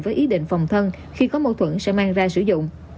với ý định phòng thân khi có mâu thuẫn sẽ mang ra sử dụng